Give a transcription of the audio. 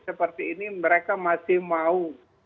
seperti ini mereka masih mau